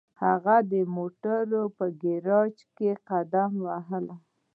هغه د موټرو په ګراج کې قدم واهه